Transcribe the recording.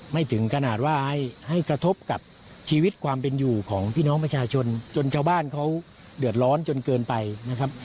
ถึงขนาดว่าให้กระทบกับชีวิตความเป็นอยู่ของพี่น้องประชาชนจนชาวบ้านเขาเดือดร้อนจนเกินไปนะครับ